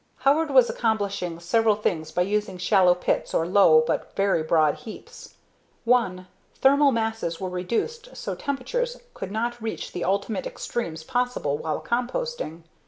Howard was accomplishing several things by using shallow pits or low but very broad heaps. One, thermal masses were reduced so temperatures could not reach the ultimate extremes possible while composting.